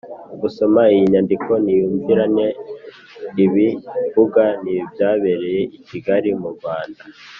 usoma iyi nyandiko ntiyumvirane! ibi mvuga ntibyabereye i kigali, mu rwanda.